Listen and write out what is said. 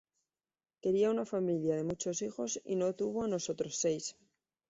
Quería una familia de muchos hijos y nos tuvo a nosotros seis.